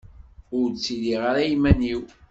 Ur ttiliɣ ara iman-iw.